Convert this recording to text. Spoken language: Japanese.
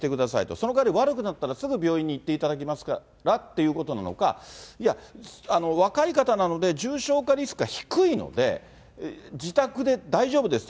そのかわり悪くなったらすぐ病院に行っていただきますからということなのか、いや、若い方なので、重症化リスクは低いので、自宅で大丈夫ですと。